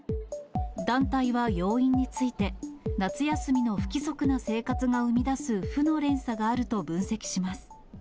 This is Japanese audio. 団体は要因について、夏休みの不規則な生活が生み出す負の連鎖があると分析します。